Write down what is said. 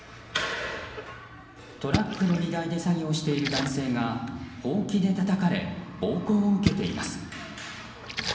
トラックの荷台で作業している男性がほうきでたたかれ暴行を受けています。